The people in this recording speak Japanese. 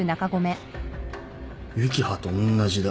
幸葉とおんなじだ。